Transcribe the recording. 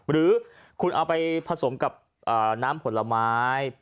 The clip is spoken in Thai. หรือคุณเอาไปผสมกับน้ำผลไม้